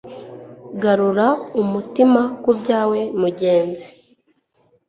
garura umutima ku byawe mugenzi